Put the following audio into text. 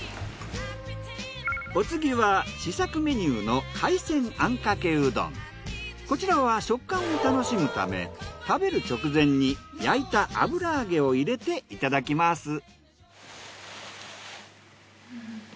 お次は試作メニューのこちらは食感を楽しむため食べる直前に焼いた油揚げを入れていただきます。